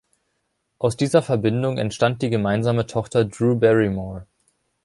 Aus dieser Verbindung entstammt die gemeinsame Tochter Drew Barrymore.